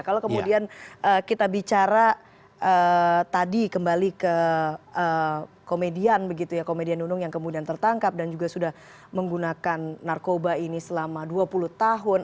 kalau kemudian kita bicara tadi kembali ke komedian begitu ya komedian nunung yang kemudian tertangkap dan juga sudah menggunakan narkoba ini selama dua puluh tahun